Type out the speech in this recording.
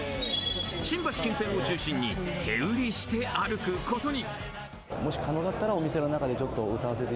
新橋近辺を中心に手売りして歩くことに。